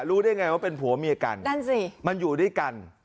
รู้ได้อย่างไรว่าเป็นผัวเมียกันมันอยู่ด้วยกัน